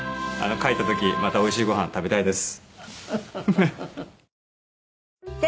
帰った時またおいしいご飯食べたいです。